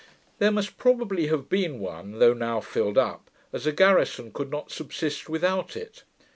There must probably have been one, though now filled up, as a garrison could not subsist without it.